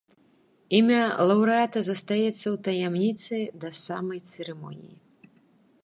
Імя лаўрэата застаецца ў таямніцы да самай цырымоніі.